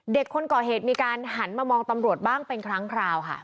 คนก่อเหตุมีการหันมามองตำรวจบ้างเป็นครั้งคราวค่ะ